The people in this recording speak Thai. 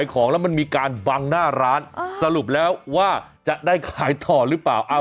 การบังหน้าร้านสรุปแล้วว่าจะได้ขายต่อหรือเปล่า